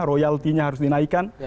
royalty nya harus dinaikkan